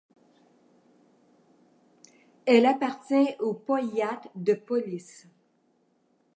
Elle appartient au powiat de Police.